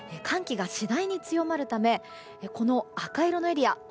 寒気が次第に強まるためこの赤色のエリア